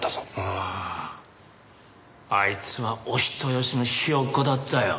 あああいつはお人よしのひよっこだったよ。